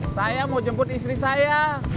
saya mau jemput istri saya